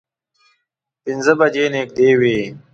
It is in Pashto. پینځه بجې نږدې وې.